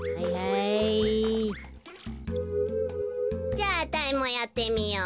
じゃああたいもやってみよう。